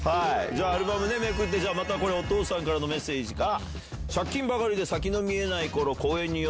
アルバムめくってまたこれお父さんからのメッセージか。